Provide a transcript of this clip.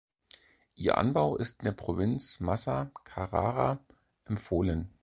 Ihr Anbau ist in der Provinz Massa-Carrara empfohlen.